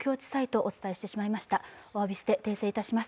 お詫びして訂正いたします。